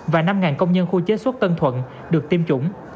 và năm công nhân khu chế xuất tân thuận được tiêm chủng